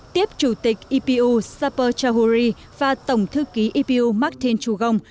tiếp chủ tịch epu saper chahuri và tổng thư ký epu martin chugong